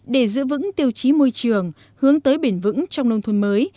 để giữ vững tiêu chí môi trường hướng tới bền vững trong nông thôn mới